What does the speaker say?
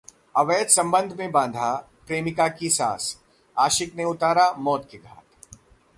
अवैध संबंध में बांधा बनी प्रेमिका की सास, आशिक ने उतारा मौत के घाट